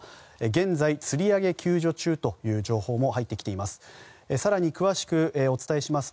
現在、つり上げ救助中という情報が入ってきています。